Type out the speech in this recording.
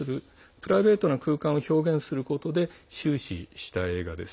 プライベートの空間を描くことに終始した映画です。